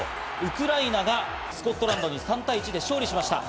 ウクライナがスコットランドに３対１で勝利しました。